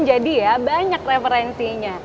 jadi ya banyak referensinya